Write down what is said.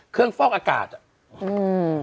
เครื่องฟอกอากาศอืม